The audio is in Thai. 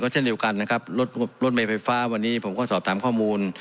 เช่นเดียวกันนะครับรถรถเมย์ไฟฟ้าวันนี้ผมก็สอบถามข้อมูล